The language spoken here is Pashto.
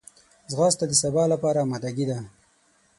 ځغاسته د سبا لپاره آمادګي ده